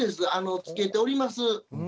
着けております。